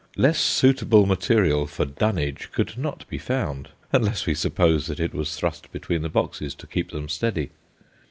Less suitable material for "dunnage" could not be found, unless we suppose that it was thrust between the boxes to keep them steady.